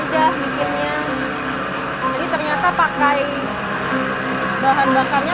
jadi ternyata bahan bakarnya pakai gas led gitu ya